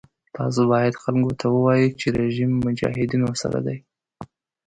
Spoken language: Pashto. تاسو باید خلکو ته ووایئ چې رژیم مجاهدینو سره دی.